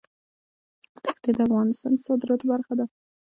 دښتې د افغانستان د صادراتو برخه ده.